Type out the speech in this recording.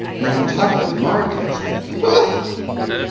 "Nantucket market! Hoot!